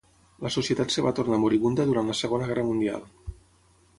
La societat es va tornar moribunda durant la Segona Guerra Mundial.